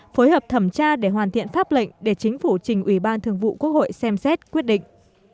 phối hợp thẩm tra để hoàn thiện pháp lệnh để chính phủ trình ủy ban thường vụ quốc hội xem xét quyết định